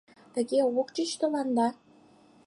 Тыге ок чуч тыланда?